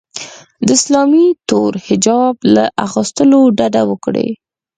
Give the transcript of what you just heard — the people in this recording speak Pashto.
د اسلامي تور حجاب له اغوستلو ډډه وکړي